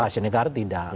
rahasia negara tidak